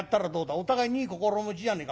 お互いにいい心持ちじゃねえか。